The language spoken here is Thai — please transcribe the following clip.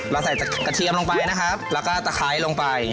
เราใส่กระเทียมลงไปนะครับแล้วก็ตะไคร้ลงไป